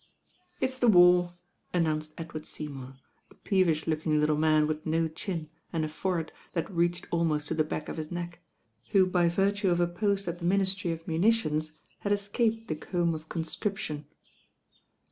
"It's the war," announced Edward Seymour, a peevish looking little man with no chin and a fore head that reached almost to the back of his neck, who by virtue of a post at the Ministry of Muni tions had escaped the comb of conscription.